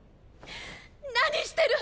何してる！